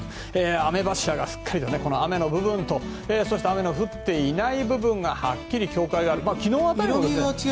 雨柱がしっかりと雨の部分とそして雨の降っていない部分がはっきり境界がある。